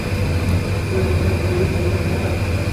So`ng yana burilib, menga qarab